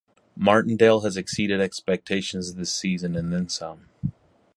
Martindale has exceeded expectations this season and then some.